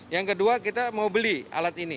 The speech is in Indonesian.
yang kedua kita mau beli